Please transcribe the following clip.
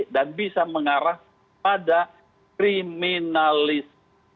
dan bisa mengarah pada kriminalis